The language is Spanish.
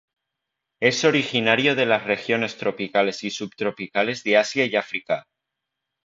Es originario de las regiones tropicales y subtropicales de Asia y África.